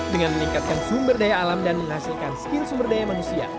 dengan meningkatkan sumber daya alam dan menghasilkan skill sumber daya manusia